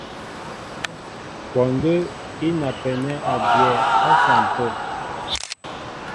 Kwɔndə́ í napɛnɛ́ a dyɛɛ á sampə̂.